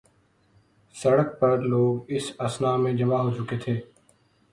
سڑک پہ لوگ اس اثناء میں جمع ہوچکے تھے۔